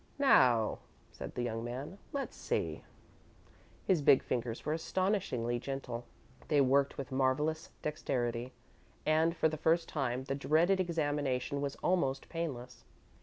"Now," said the young man, "let's see." His big fingers were astonishingly gentle, they worked with marvellous dexterity, and, for the first time, the dreaded examination was almost painless.